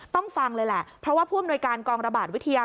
ต้องฟังเลยแหละเพราะว่าผู้อำนวยการกองระบาดวิทยา